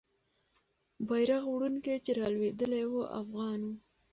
بیرغ وړونکی چې رالوېدلی وو، افغان وو.